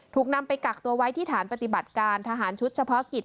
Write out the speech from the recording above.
ถูกนำไปกักตัวไว้ที่ฐานปฏิบัติการทหารชุดเฉพาะกิจ